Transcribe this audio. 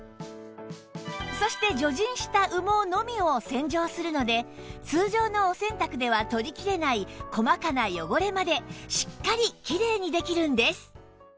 そして除塵した羽毛のみを洗浄するので通常のお洗濯では取りきれない細かな汚れまでしっかりきれいにできるんです